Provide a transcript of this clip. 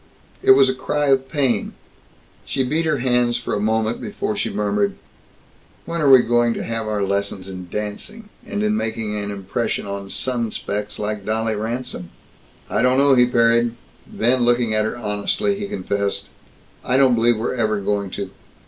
It was a cry of pain. She beat her hands for a moment before she murmured, "When are we going to have our lessons in dancing and in making an impression on sun specks like Dolly Ransome?" "I don't know," he parried. Then, looking at her honestly, he confessed, "I don't believe we're ever going to.